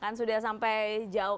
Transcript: kan sudah sampai jauh